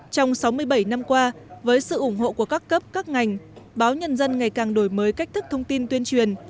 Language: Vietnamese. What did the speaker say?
trong sáu mươi bảy năm qua với sự ủng hộ của các cấp các ngành báo nhân dân ngày càng đổi mới cách thức thông tin tuyên truyền